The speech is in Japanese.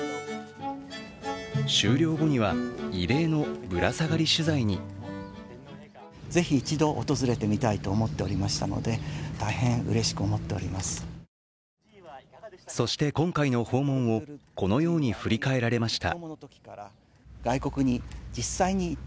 終了後には、異例のぶら下がり取材にそして今回の訪問をこのように振り返られました。